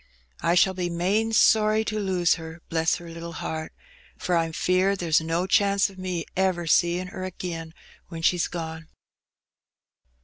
I shall be main sorry to lose her, bless her little heart, for I'm feared there's no chance of me ever seein' her agin when she's gone.